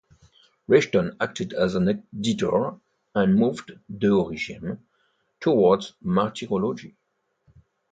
Rishton acted as an editor, and moved "De origine" towards martyrology.